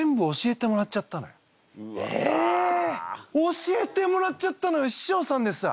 教えてもらっちゃったのよししょうさんですわ。